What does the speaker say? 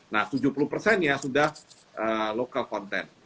nah tujuh puluh persennya sudah lokal konten